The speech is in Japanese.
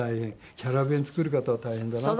キャラ弁作る方は大変だなと。